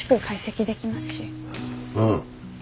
うん。